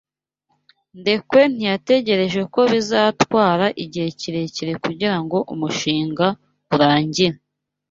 Ndekwe ntiyatekereje ko bizatwara igihe kirekire kugirango umushinga urangire.